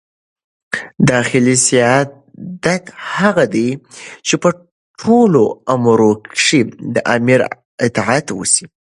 داخلي سیادت هغه دئ، چي په ټولو امورو کښي د امیر اطاعت وسي.